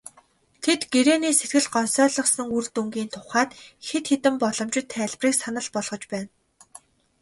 Тэд гэрээний сэтгэл гонсойлгосон үр дүнгийн тухайд хэд хэдэн боломжтой тайлбарыг санал болгож байна.